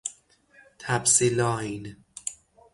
تپسی لاین